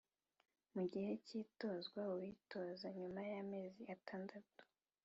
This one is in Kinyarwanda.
Mu gihe cy itozwa uwitoza nyuma y amezi atandatu